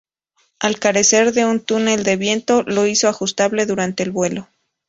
Al carecer de un túnel de viento, lo hizo ajustable durante el vuelo.